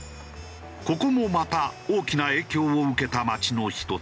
ここもまた大きな影響を受けた街の１つだ。